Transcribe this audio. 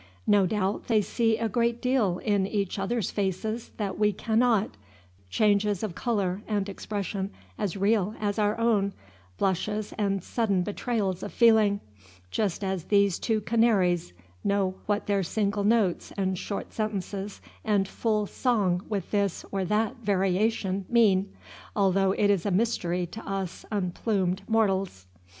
No doubt they see a great deal in each other's faces that we cannot, changes of color and expression as real as our own, blushes and sudden betrayals of feeling, just as these two canaries know what their single notes and short sentences and full song with this or that variation mean, though it is a mystery to us unplumed mortals.